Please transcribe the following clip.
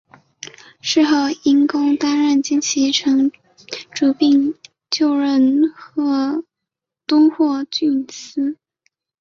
事后因公担任金崎城主并就任敦贺郡司。